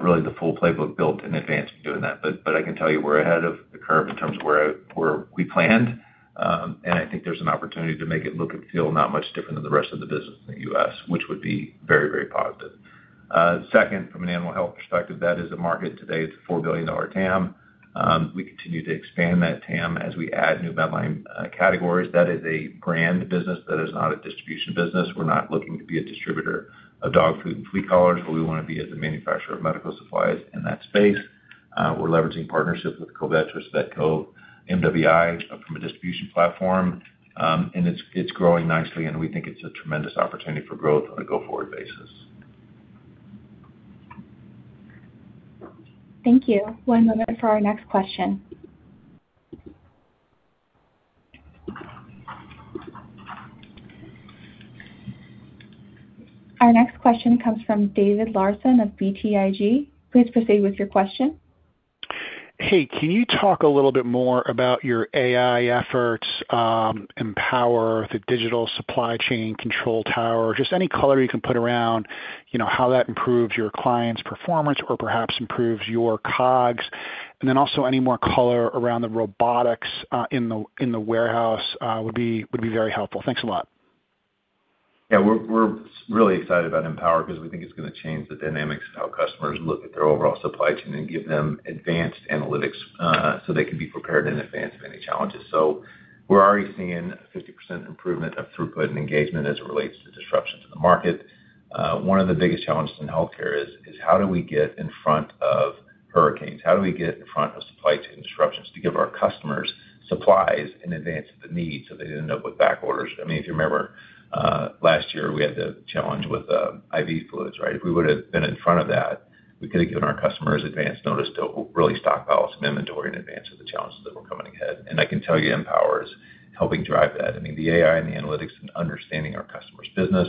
really the full playbook built in advance of doing that. I can tell you we're ahead of the curve in terms of where we planned, and I think there's an opportunity to make it look and feel not much different than the rest of the business in the U.S., which would be very, very positive. Second, from an animal health perspective, that is a market today. It's a $4 billion TAM. We continue to expand that TAM as we add new Medline categories. That is a brand business. That is not a distribution business. We're not looking to be a distributor of dog food and flea collars, but we wanna be as a manufacturer of medical supplies in that space. We're leveraging partnerships with Covetrus, Vetcor, MWI from a distribution platform. It's growing nicely, and we think it's a tremendous opportunity for growth on a go-forward basis. Thank you. One moment for our next question. Our next question comes from David Larsen of BTIG. Please proceed with your question. Hey, can you talk a little bit more about your AI efforts, Mpower, the digital supply chain control tower? Just any color you can put around, you know, how that improves your clients' performance or perhaps improves your COGS. Also any more color around the robotics in the warehouse would be very helpful. Thanks a lot. Yeah, we're really excited about Mpower because we think it's gonna change the dynamics of how customers look at their overall supply chain and give them advanced analytics, so they can be prepared in advance of any challenges. We're already seeing a 50% improvement of throughput and engagement as it relates to disruptions in the market. One of the biggest challenges in healthcare is how do we get in front of hurricanes? How do we get in front of supply chain disruptions to give our customers supplies in advance of the need so they didn't end up with back orders? I mean, if you remember, last year, we had the challenge with, IV fluids, right? If we would've been in front of that, we could have given our customers advance notice to really stockpile some inventory in advance of the challenges that were coming ahead. I can tell you Mpower is helping drive that. I mean, the AI and the analytics and understanding our customers' business,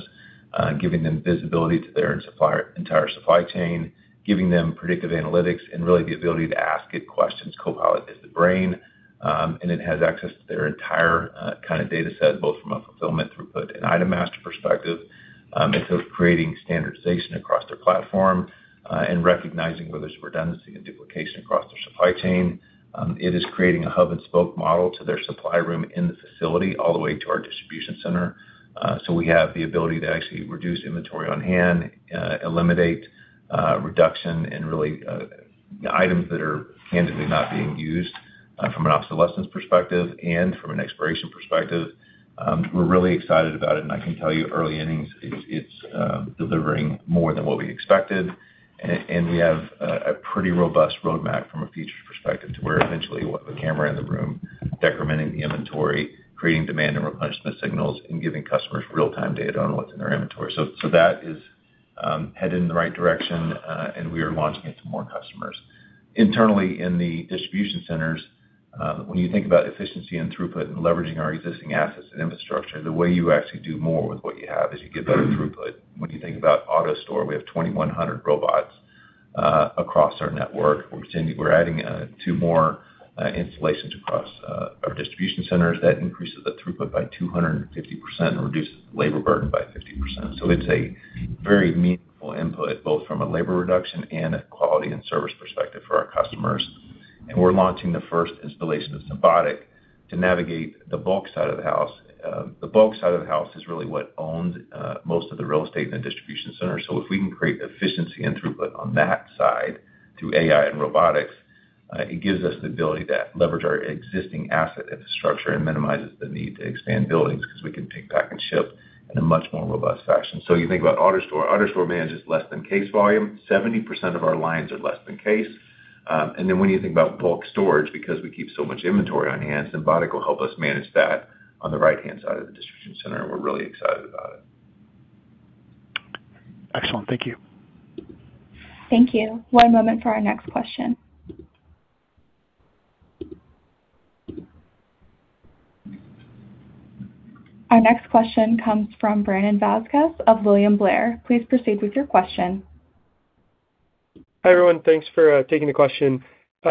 giving them visibility to their entire supply chain, giving them predictive analytics and really the ability to ask it questions. Copilot is the brain, and it has access to their entire kind of data set, both from a fulfillment, throughput, and item master perspective. It's creating standardization across their platform and recognizing where there's redundancy and duplication across their supply chain. It is creating a hub-and-spoke model to their supply room in the facility all the way to our distribution center. We have the ability to actually reduce inventory on-hand, eliminate items that are candidly not being used from an obsolescence perspective and from an expiration perspective. We're really excited about it, and I can tell you early innings it's delivering more than what we expected. We have a pretty robust roadmap from a future perspective to where eventually we'll have a camera in the room decrementing the inventory, creating demand and replenishment signals, and giving customers real-time data on what's in their inventory. That is headed in the right direction, and we are launching it to more customers. Internally in the distribution centers, when you think about efficiency and throughput and leveraging our existing assets and infrastructure, the way you actually do more with what you have is you get better throughput. When you think about AutoStore, we have 2,100 robots across our network. We're adding two more installations across our distribution centers. That increases the throughput by 250% and reduces the labor burden by 50%. It's a very meaningful input, both from a labor reduction and a quality and service perspective for our customers. We're launching the first installation of Symbotic to navigate the bulk side of the house. The bulk side of the house is really what owns most of the real estate in the distribution center. If we can create efficiency and throughput on that side through AI and robotics, it gives us the ability to leverage our existing asset infrastructure and minimizes the need to expand buildings 'cause we can pick, pack, and ship in a much more robust fashion. You think about AutoStore manages less than case volume. 70% of our lines are less than case. When you think about bulk storage, because we keep so much inventory on hand, Symbotic will help us manage that on the right-hand side of the distribution center, and we're really excited about it. Excellent. Thank you. Thank you. One moment for our next question. Our next question comes from Brandon Vazquez of William Blair. Please proceed with your question. Hi, everyone. Thanks for taking the question.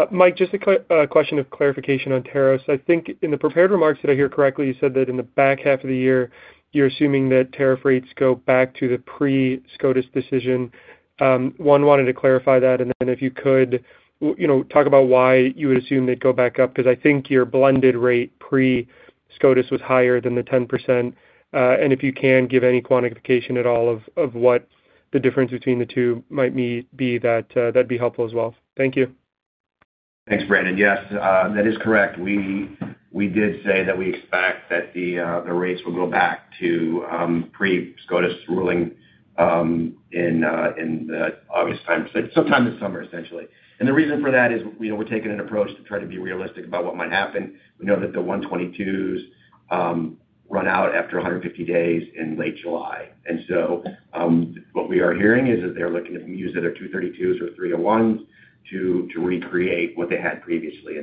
Mike, just a question of clarification on tariffs. I think in the prepared remarks, did I hear correctly, you said that in the back half of the year, you're assuming that tariff rates go back to the pre-SCOTUS decision? One, wanted to clarify that, and then if you could, you know, talk about why you would assume they'd go back up, 'cause I think your blended rate pre-SCOTUS was higher than the 10%. If you can give any quantification at all of what the difference between the two might be that'd be helpful as well. Thank you. Thanks, Brandon. Yes, that is correct. We did say that we expect that the rates will go back to pre-SCOTUS ruling in the August timeframe, so sometime this summer, essentially. The reason for that is, you know, we're taking an approach to try to be realistic about what might happen. We know that the Section 122s run out after 150 days in late July. What we are hearing is that they're looking at using their Section 232 or 301s to recreate what they had previously.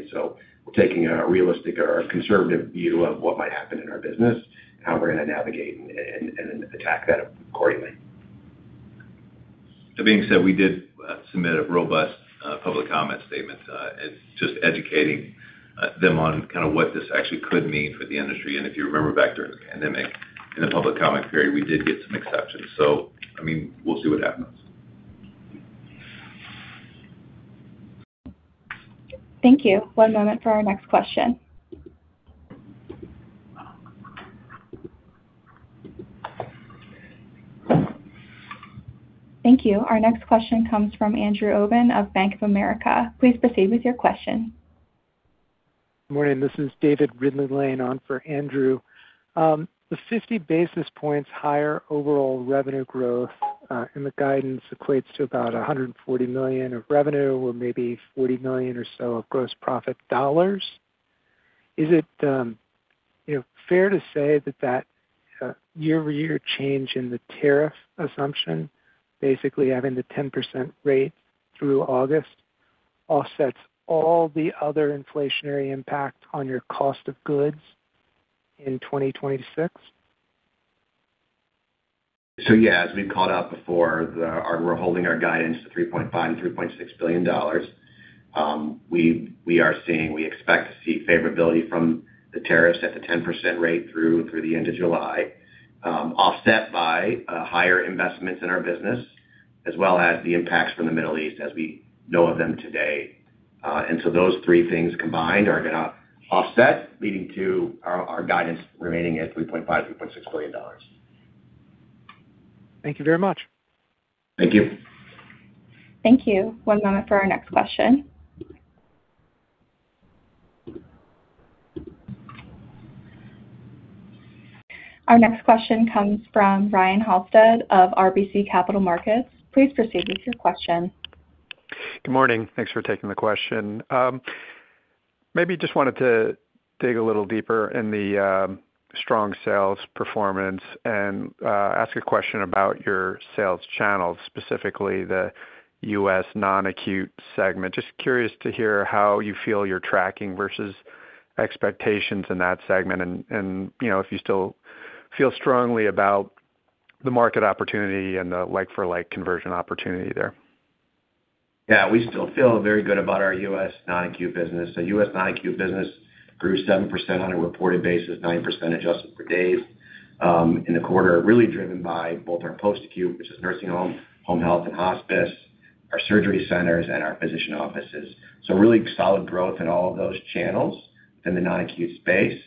We're taking a realistic or a conservative view of what might happen in our business and how we're gonna navigate and attack that accordingly. That being said, we did submit a robust public comment statement. It's just educating, them on kind of what this actually could mean for the industry. If you remember back during the pandemic, in the public comment period, we did get some exceptions. I mean, we'll see what happens. Thank you. One moment for our next question. Thank you. Our next question comes from Andrew Obin of Bank of America. Please proceed with your question. Morning, this is David Ridley-Lane on for Andrew. The 50 basis points higher overall revenue growth in the guidance equates to about $140 million of revenue or maybe $40 million or so of gross profit dollars. Is it fair to say that that year-over-year change in the tariff assumption, basically having the 10% rate through August offsets all the other inflationary impact on your cost of goods in 2026? As we've called out before, we're holding our guidance to $3.5 billion and $3.6 billion. We expect to see favorability from the tariffs at the 10% rate through the end of July, offset by higher investments in our business as well as the impacts from the Middle East as we know of them today. Those three things combined are gonna offset, leading to our guidance remaining at $3.5 billion, $3.6 billion. Thank you very much. Thank you. Thank you. One moment for our next question. Our next question comes from Ryan Halsted of RBC Capital Markets. Please proceed with your question. Good morning. Thanks for taking the question. Maybe just wanted to dig a little deeper in the strong sales performance and ask a question about your sales channels, specifically the U.S. Non-Acute segment. Just curious to hear how you feel you're tracking versus expectations in that segment and, you know, if you still feel strongly about the market opportunity and the like-for-like conversion opportunity there. We still feel very good about our U.S. Non-Acute business. The U.S. Non-Acute business grew 7% on a reported basis, 9% adjusted for days in the quarter, really driven by both our post-acute, which is nursing home health and hospice, our surgery centers and our physician offices. Really solid growth in all of those channels in the Non-Acute space.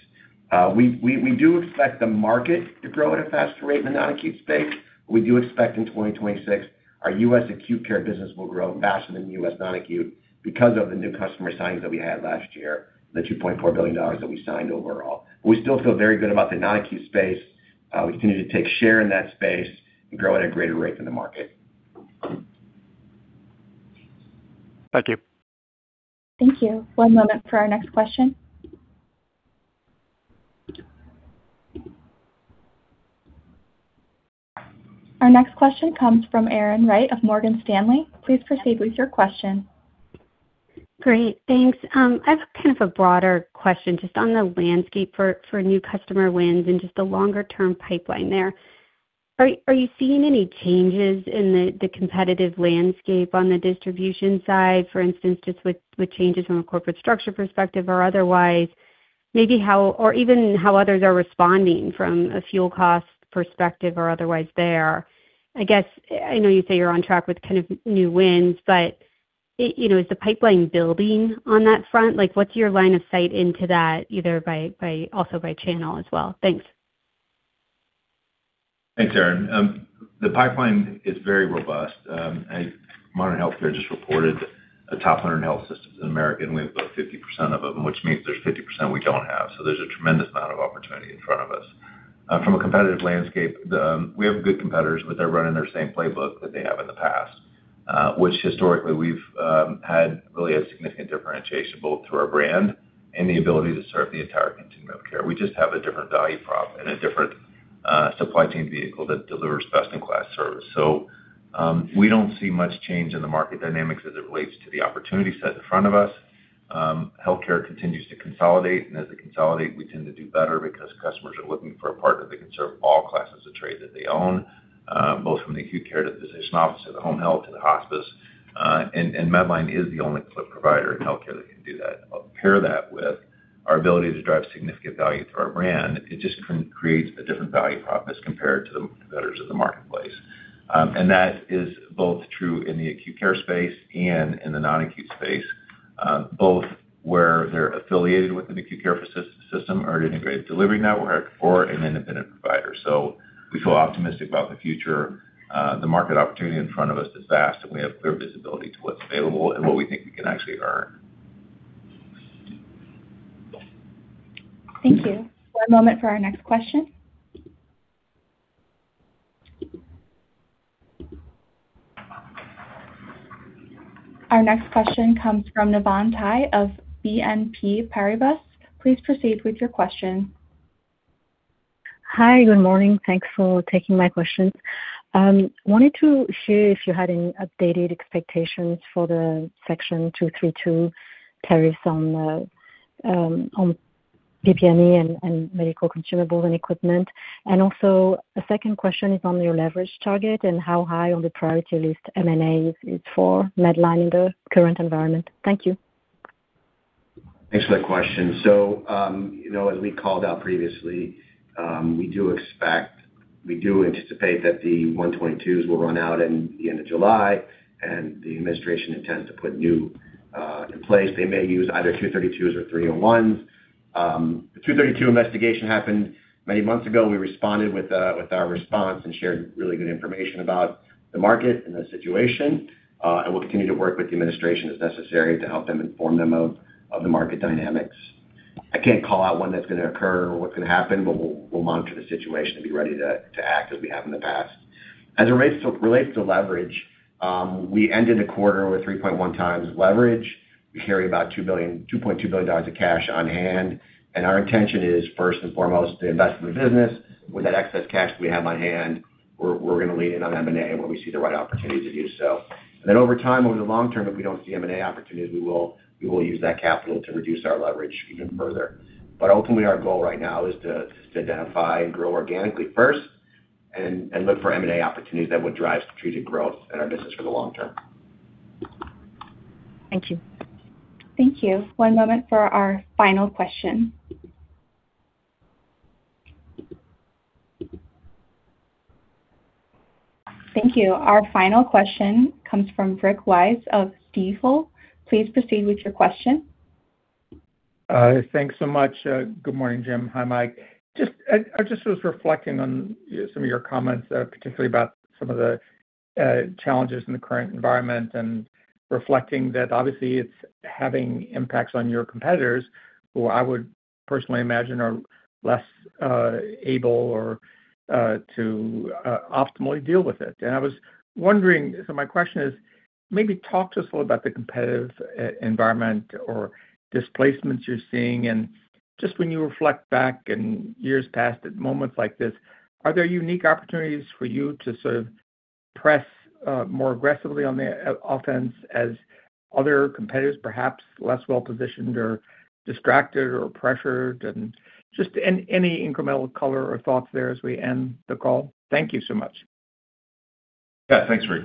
We do expect the market to grow at a faster rate in the Non-Acute space. We do expect in 2026, our U.S. Acute Care business will grow faster than the U.S. Non-Acute because of the new customer signings that we had last year, the $2.4 billion that we signed overall. We still feel very good about the Non-Acute space. We continue to take share in that space and grow at a greater rate than the market. Thank you. Thank you. One moment for our next question. Our next question comes from Erin Wright of Morgan Stanley. Please proceed with your question. Great. Thanks. I have kind of a broader question just on the landscape for new customer wins and just the longer term pipeline there. Are you seeing any changes in the competitive landscape on the distribution side? For instance, just with changes from a corporate structure perspective or otherwise, maybe or even how others are responding from a fuel cost perspective or otherwise there. I guess, I know you say you're on track with kind of new wins, but, you know, is the pipeline building on that front? Like, what's your line of sight into that either by, also by channel as well? Thanks. Thanks, Erin. The pipeline is very robust. Modern Healthcare just reported the top 100 health systems in America, and we have about 50% of them, which means there's 50% we don't have. There's a tremendous amount of opportunity in front of us. From a competitive landscape, we have good competitors, but they're running their same playbook that they have in the past, which historically we've had really a significant differentiation both through our brand and the ability to serve the entire continuum of care. We just have a different value prop and a different supply chain vehicle that delivers best-in-class service. We don't see much change in the market dynamics as it relates to the opportunity set in front of us. Healthcare continues to consolidate. As they consolidate, we tend to do better because customers are looking for a partner that can serve all classes of trade that they own, both from the acute care to the physician office to the home health to the hospice. Medline is the only prime vendor in healthcare that can do that. Pair that with our ability to drive significant value through our brand, it just creates a different value prop as compared to the competitors in the marketplace. That is both true in the acute care space and in the non-acute space, both where they're affiliated with an acute care system or an integrated delivery network or an independent provider. We feel optimistic about the future. The market opportunity in front of us is vast, and we have clear visibility to what's available and what we think we can actually earn. Thank you. One moment for our next question. Our next question comes from Navann Ty of BNP Paribas. Please proceed with your question. Hi. Good morning. Thanks for taking my questions. Wanted to hear if you had any updated expectations for the Section 232 tariffs on PPE and medical consumables and equipment. A second question is on your leverage target and how high on the priority list M&A is for Medline in the current environment. Thank you. Thanks for that question. You know, as we called out previously, we do anticipate that the Section 122s will run out in the end of July, and the administration intends to put new in place. They may use either Section 232s or Section 301s. The Section 232 investigation happened many months ago. We responded with our response and shared really good information about the market and the situation. We'll continue to work with the administration as necessary to help them inform them of the market dynamics. I can't call out when that's going to occur or what's going to happen, we'll monitor the situation and be ready to act as we have in the past. As it relates to leverage, we ended the quarter with 3.1x leverage. We carry about $2.2 billion of cash on hand. Our intention is, first and foremost, to invest in the business. With that excess cash we have on hand, we're gonna lean in on M&A when we see the right opportunity to do so. Over time, over the long term, if we don't see M&A opportunities, we will use that capital to reduce our leverage even further. Ultimately, our goal right now is to identify and grow organically first and look for M&A opportunities that would drive strategic growth in our business for the long term. Thank you. Thank you. One moment for our final question. Thank you. Our final question comes from Rick Wise of Stifel. Please proceed with your question. Thanks so much. Good morning, Jim. Hi, Mike. I just was reflecting on some of your comments, particularly about some of the challenges in the current environment and reflecting that obviously it's having impacts on your competitors, who I would personally imagine are less able or to optimally deal with it. My question is, maybe talk to us a little about the competitive environment or displacements you're seeing. Just when you reflect back in years past at moments like this, are there unique opportunities for you to sort of press more aggressively on the offense as other competitors, perhaps less well-positioned or distracted or pressured? Just any incremental color or thoughts there as we end the call. Thank you so much. Yeah. Thanks, Rick.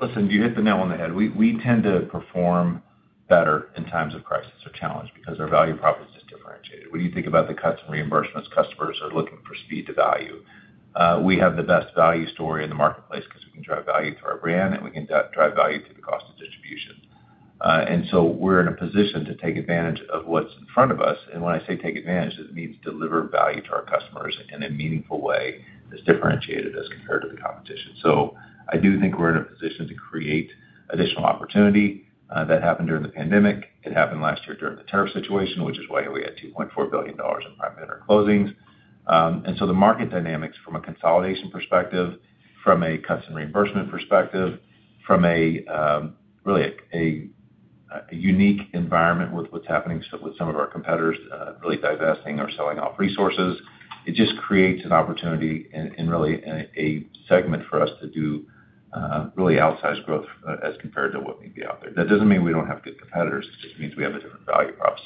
Listen, you hit the nail on the head. We tend to perform better in times of crisis or challenge because our value prop is just differentiated. When you think about the cuts in reimbursement, customers are looking for speed to value. We have the best value story in the marketplace because we can drive value through our brand, and we can drive value through the cost of distribution. We're in a position to take advantage of what's in front of us. When I say take advantage, it means deliver value to our customers in a meaningful way that's differentiated as compared to the competition. I do think we're in a position to create additional opportunity. That happened during the pandemic. It happened last year during the tariff situation, which is why we had $2.4 billion in private equity closings. The market dynamics from a consolidation perspective, from a custom reimbursement perspective, from a really a unique environment with what's happening so with some of our competitors, really divesting or selling off resources, it just creates an opportunity and really a segment for us to do really outsized growth as compared to what may be out there. That doesn't mean we don't have good competitors. It just means we have a different value prop.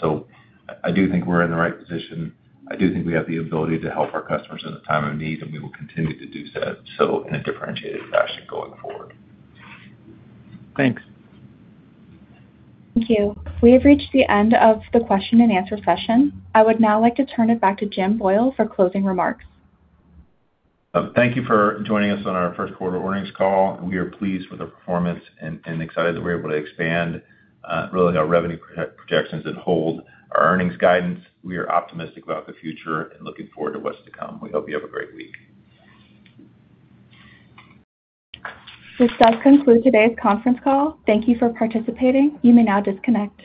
I do think we're in the right position. I do think we have the ability to help our customers in a time of need, and we will continue to do so in a differentiated fashion going forward. Thanks. Thank you. We have reached the end of the question-and-answer session. I would now like to turn it back to Jim Boyle for closing remarks. Thank you for joining us on our first quarter earnings call. We are pleased with the performance and excited that we're able to expand really our revenue projections that hold our earnings guidance. We are optimistic about the future and looking forward to what's to come. We hope you have a great week. This does conclude today's conference call. Thank you for participating. You may now disconnect.